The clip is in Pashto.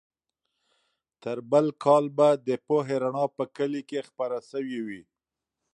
تر بل کال به د پوهې رڼا په کلي کې خپره سوې وي.